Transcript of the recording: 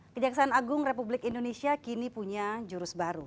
kejaksaan agung republik indonesia kini punya jurus baru